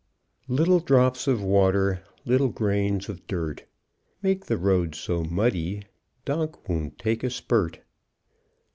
Little drops of water, Little grains of dirt, Make the roads so muddy Donk won't take a spurt.